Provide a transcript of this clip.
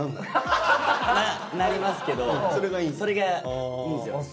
なりますけどそれがいいんですよ。